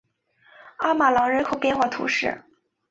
阿马朗人口变化图示